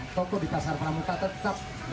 toko di pasar permuka tetap berkualitas